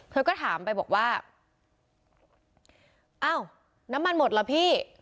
เธอก็ถามไปบอกว่าอ้าวน้ำมันหมดเหรอพี่